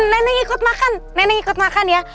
neneng ikut makan neneng ikut makan ya